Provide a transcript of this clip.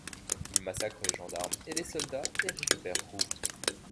Ils massacrent les gendarmes et les soldats, et récupèrent roubles.